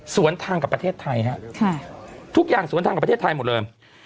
สวนทางกับประเทศไทยฮะทุกอย่างสวนทางกับประเทศไทยหมดเลย